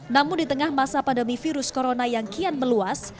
namun di tengah masa pandemi virus corona yang kian meluas